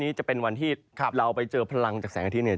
จะเป็นวันที่เราไปเจอพลังจากแสงอาทิตยเนี่ย